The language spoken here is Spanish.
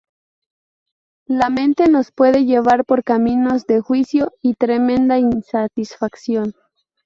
La mente nos puede llevar por caminos de juicio y tremenda insatisfacción.